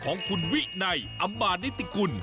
บ่อเลี้ยงปูนิ่มของคุณวินัยอำมาตย์นิติกุล